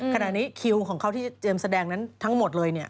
ขณะนี้คิวของเขาที่เจมส์แสดงนั้นทั้งหมดเลยเนี่ย